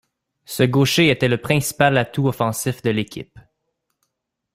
Ce gaucher était le principal atout offensif de l'équipe.